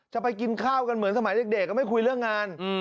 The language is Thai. จะไปกินข้าวกันเหมือนสมัยเด็กก็ไม่คุยเรื่องงาน